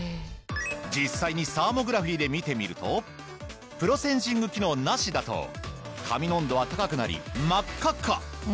実際にサーモグラフィーで見てみるとプロセンシング機能なしだと髪の温度は高くなり真っ赤っか！